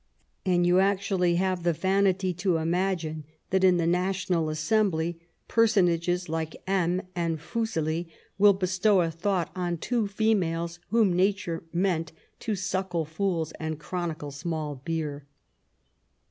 *' And you actually have the vanity to imagine that in the National Assembly, piersonages like M. and F.[useli] will bestow a thought on two females whom nature meant to " suckle fools and chronicle small beer."